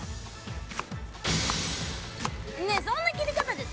ねえそんな切り方で。